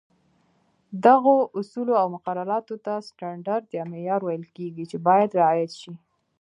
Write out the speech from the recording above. دغو اصولو او مقرراتو ته سټنډرډ یا معیار ویل کېږي، چې باید رعایت شي.